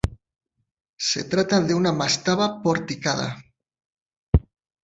Se trata de una mastaba porticada.